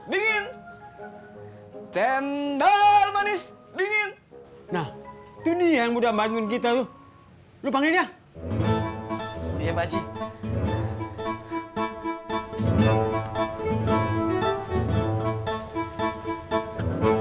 dingin cendal manis dingin nah dunia muda mangun kita lho lupa ngeneh iya pakcik